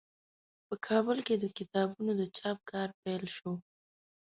په کابل کې د کتابونو د چاپ کار پیل شو.